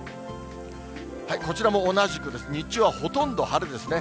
こちらも同じくです、日中はほとんど晴れですね。